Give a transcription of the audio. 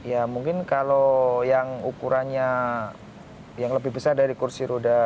ya mungkin kalau yang ukurannya yang lebih besar dari kursi roda